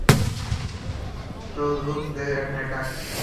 তোর লোকদের এখানে ডাক।